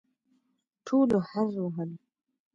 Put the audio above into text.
ټولو هررر وهل.